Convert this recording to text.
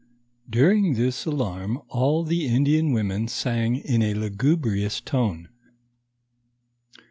Duiing this alarm, all the Indian women sang in a lugubrious tone.